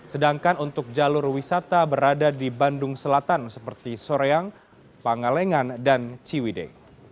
sedangkan untuk jalur wisata berada di bandung selatan seperti soreang pangalengan dan ciwide